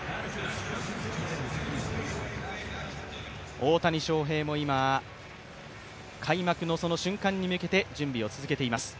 大谷翔平も今、開幕のその瞬間に向けて準備を続けています。